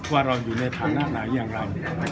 ว่าเราอยู่ในฐานะไหนอย่างเรา